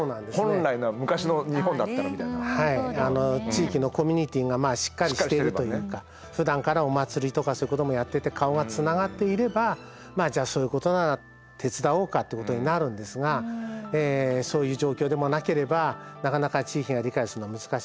地域のコミュニティーがしっかりしているというかふだんからお祭りとかそういうこともやってて顔がつながっていればじゃあそういうことなら手伝おうかってことになるんですがそういう状況でもなければなかなか地域が理解するのは難しいと。